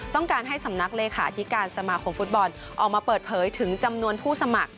ต้องการให้สำนักเลขาธิการสมาคมฟุตบอลออกมาเปิดเผยถึงจำนวนผู้สมัคร